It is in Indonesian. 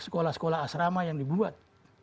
sekolah sekolah asrama yang dibuat